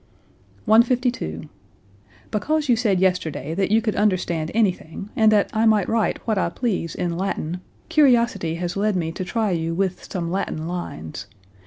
152. "Because you said yesterday that you could understand anything, and that I might write what I please in Latin, curiosity has led me to try you with some Latin lines.